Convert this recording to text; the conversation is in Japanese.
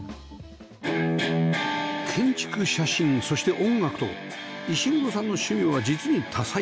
建築写真そして音楽と石黒さんの趣味は実に多彩